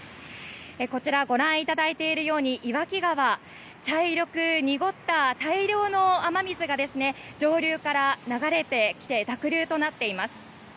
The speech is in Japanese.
こちらご覧いただいているように岩木川茶色く濁った大量の雨水が上流から流れてきて濁流となっています。